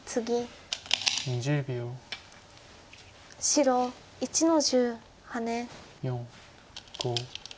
白１の十ハネ。